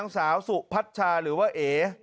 ศพพัชชาหรือว่าเอ๋